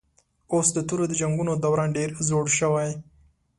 اوس د تورو د جنګونو دوران ډېر زوړ شوی